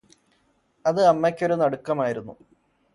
അത് അമ്മക്കൊരു നടുക്കമായിരുന്നു